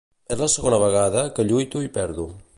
És la segona vegada que lluito i perdo.